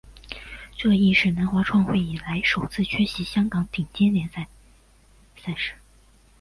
这亦是南华创会以来首次缺席香港顶级联赛赛事。